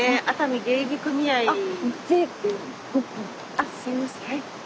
あっすいません